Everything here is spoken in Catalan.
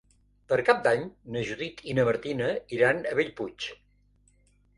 Per Cap d'Any na Judit i na Martina iran a Bellpuig.